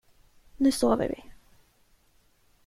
Nu sover vi.